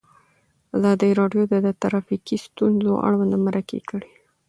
ازادي راډیو د ټرافیکي ستونزې اړوند مرکې کړي.